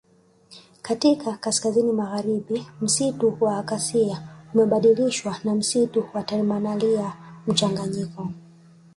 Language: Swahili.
Katika kaskazini magharibi misitu ya Acacia imebadilishwa na misitu ya Terminalia mchanganyiko